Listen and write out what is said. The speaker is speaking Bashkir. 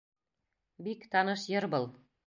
Бик таныш йыр был.